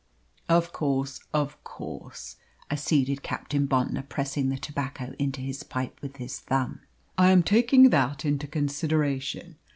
"Of course, of course," acceded Captain Bontnor, pressing the tobacco into his pipe with his thumb; "I am taking that into consideration.